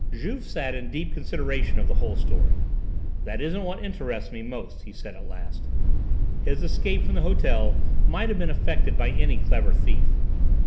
Juve sat in deep consideration of the whole story. "That isn't what interests me most," he said at last. "His escape from the hotel might have been effected by any clever thief.